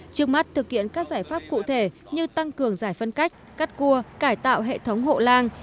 trước mắt thực hiện các giải pháp cụ thể như tăng cường giải phân cách cắt cua cải tạo hệ thống hộ lang